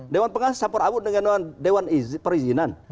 dewan pengawas support abut dengan dewan perizinan